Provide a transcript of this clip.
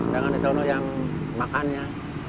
sementara di sana yang makan nya